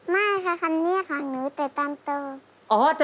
ไม่ค่ะคำนี้ค่ะหนูแต่ตอนโต